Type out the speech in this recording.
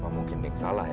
mungkin dia yang salah ya